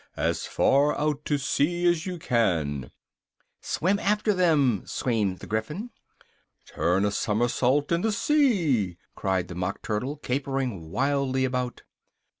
"As far out to sea as you can " "Swim after them!" screamed the Gryphon. "Turn a somersault in the sea!" cried the Mock Turtle, capering wildly about.